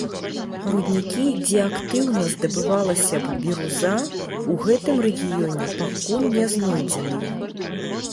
Руднікі, дзе актыўна здабывалася б біруза, у гэтым рэгіёне пакуль не знойдзеныя.